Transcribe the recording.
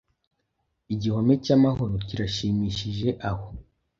Igihome cyamahoro kirashimishijeaho